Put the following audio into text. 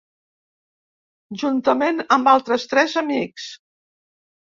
Juntament amb altres tres amics.